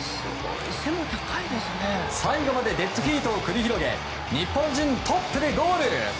最後までデッドヒートを繰り広げ日本人トップでゴール。